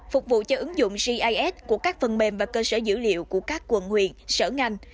phục vụ cho ứng dụng gis của các phần mềm và cơ sở dữ liệu của các quận huyện sở ngành